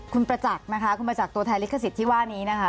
คุณประจักษ์นะคะคุณประจักษ์ตัวแทนลิขสิทธิ์ที่ว่านี้นะคะ